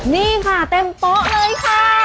นี่ค่ะเต็มโต๊ะเลยค่ะ